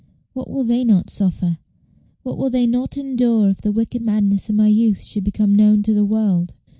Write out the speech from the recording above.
What will they not suffer? what will they not endure if the wicked madness of my youth should become known to the world?"